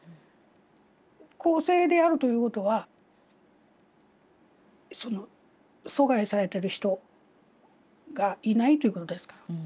公正であるということは疎外されてる人がいないということですから。